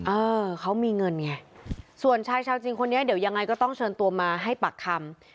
เออเขามีเงินไงส่วนชายชาวจีนคนนี้เดี๋ยวยังไงก็ต้องเชิญตัวมาให้ปากคำ